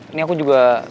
ini aku juga